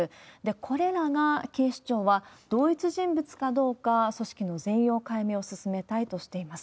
これらが警視庁は、同一人物かどうか、組織の全容解明を進めたいとしています。